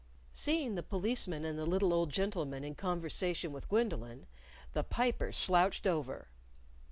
Seeing the Policeman and the little old gentleman in conversation with Gwendolyn, the Piper slouched over.